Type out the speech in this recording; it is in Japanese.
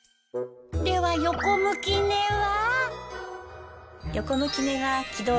では横向き寝は？